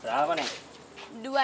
kau minum toiletnya ya